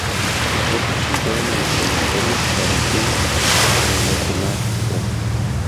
Fue sepultado en el cementerio parisino de Montmartre.